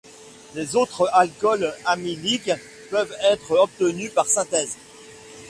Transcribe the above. Les autres alcools amyliques peuvent être obtenus par synthèse.